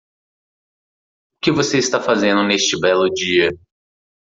O que você está fazendo neste belo dia?